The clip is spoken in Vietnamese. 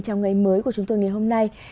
trong ngày mới của chúng tôi ngày hôm nay